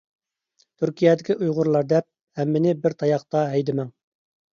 تۈركىيەدىكى ئۇيغۇرلار دەپ، ھەممىنى بىر تاياقتا ھەيدىمەڭ!